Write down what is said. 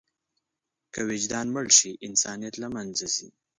که وجدان مړ شي، انسانیت له منځه ځي.